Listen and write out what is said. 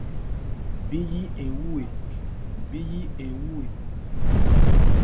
Bí yí ń wu ɛ ?